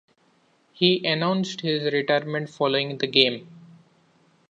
He announced his retirement following the game.